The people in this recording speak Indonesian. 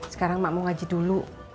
sekarang mak mau ngaji dulu